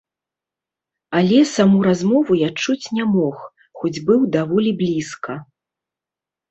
Але саму размову я чуць не мог, хоць быў даволі блізка.